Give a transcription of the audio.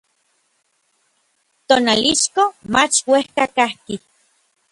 Tonalixco mach uejka kajki.